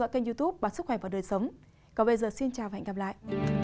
còn bây giờ xin chào và hẹn gặp lại